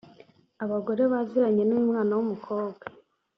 Abagore baziranye n’uyu mwana w’umukobwa